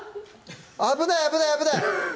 危ない危ない危ない！